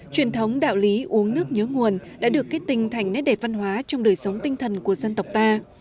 truyền thống đạo lý uống nước nhớ nguồn đã được kết tình thành nét đẹp văn hóa trong đời sống tinh thần của dân tộc ta